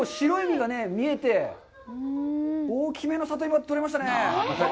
結構、白い実が見えて、大きめの里芋が取れましたね。